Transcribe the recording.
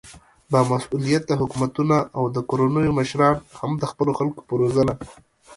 با مسؤليته حکومتونه او د کورنيو مشران هم د خپلو خلکو په روزنه